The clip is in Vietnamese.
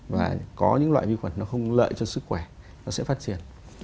và có những loại vi khuẩn nó không lợi cho sức khỏe nó sẽ phát triển